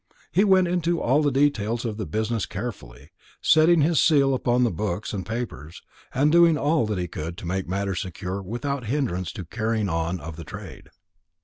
He went into all the details of the business carefully, setting his seal upon books and papers, and doing all that he could to make matters secure without hindrance to the carrying on of the trade.